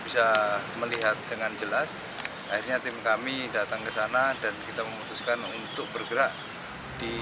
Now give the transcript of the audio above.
bisa melihat dengan jelas akhirnya tim kami datang ke sana dan kita memutuskan untuk bergerak di